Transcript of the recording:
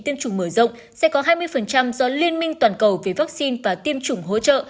tiêm chủng mở rộng sẽ có hai mươi do liên minh toàn cầu về vaccine và tiêm chủng hỗ trợ